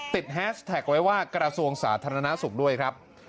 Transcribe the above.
แฮชแท็กไว้ว่ากระทรวงสาธารณสุขด้วยครับ